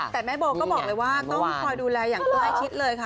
แต่แม่โบก็บอกเลยว่าต้องคอยดูแลอย่างใกล้ชิดเลยค่ะ